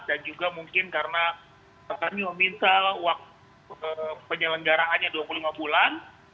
dan juga mungkin karena kami meminta penyelenggaraannya dua puluh lima bulan